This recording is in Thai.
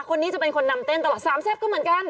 คนนี้จะเป็นคนนำเต้นตลอดสามแซ่บก็เหมือนกัน